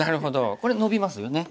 これノビますよね。